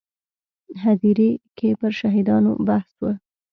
هدیرې کې پر شهیدانو بحث و.